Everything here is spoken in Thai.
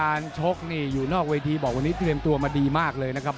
มั่นใจว่าจะได้แชมป์ไปพลาดโดนในยกที่สามครับเจอหุ้กขวาตามสัญชาตยานหล่นเลยครับ